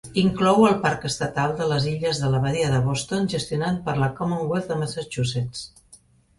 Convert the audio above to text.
Inclou el Parc Estatal de les Illes de la Badia de Boston, gestionat per la Commonwealth de Massachusetts.